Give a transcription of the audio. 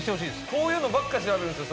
こういうのばっか調べるんですよ